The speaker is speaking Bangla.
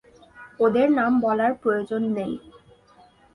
ওদের নাম বলার প্রয়োজন নেই।